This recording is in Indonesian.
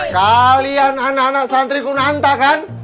kalian anak anak santri kunanta kan